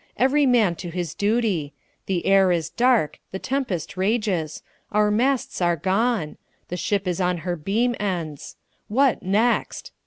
Every man to his duty! The air is dark! the tempest rages! our masts are gone! the ship is on her beam ends! What next?"